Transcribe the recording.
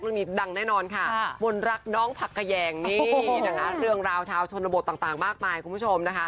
นู่นนี้ดังแน่นอนค่ะมนรักน้องผักแกะแห่งเรื่องราวชาวชนบทต่างมากมายคุณผู้ชม